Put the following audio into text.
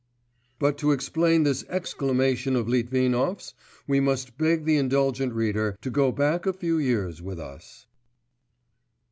But to explain this exclamation of Litvinov's we must beg the indulgent reader to go back a few years with us.